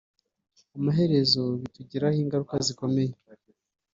amaherezo bitugiraho ingaruka zikomeye